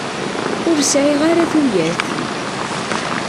Ur sεiɣ ara tuyat.